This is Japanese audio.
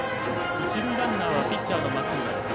一塁ランナーはピッチャーの松浦です。